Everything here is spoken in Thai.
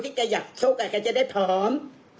ที่แกอยากชูกน่ะแกจะได้ผอม